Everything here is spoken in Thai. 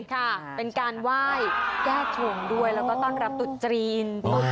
ค่ะเป็นการไหว้แก้ชงด้วยแล้วก็ต้อนรับตุจีน